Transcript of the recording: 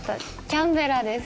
キャンベラです。